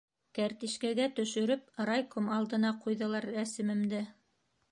Кәртишкәгә төшөрөп, райком алдына ҡуйҙылар рәсемемде.